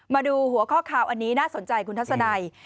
มาดูหัวข้อข่าวอันนี้น่าสนใจคุณทัศนัย